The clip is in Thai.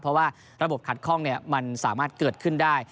เพราะว่าระบบขัดข้องมันสามารถเกิดขึ้นได้